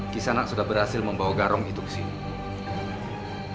kisanak sudah berhasil membawa garong itu kesini